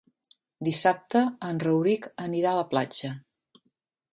Dissabte en Rauric anirà a la platja.